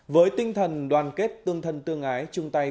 với tinh thần đoàn kết tương thân tương ái chung tay